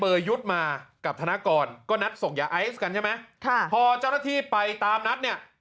พอเจ้าหน้าที่ไปตามนัดเนี่ย